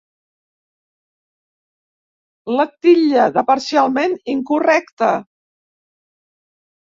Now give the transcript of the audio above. La titlla de parcialment incorrecta.